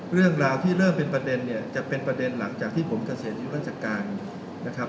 เรื่องราวที่เริ่มเป็นประเด็นเนี่ยจะเป็นประเด็นหลังจากที่ผมเกษียณอายุราชการนะครับ